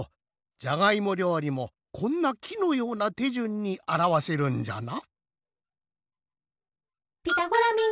じゃがいもりょうりもこんなきのようなてじゅんにあらわせるんじゃな。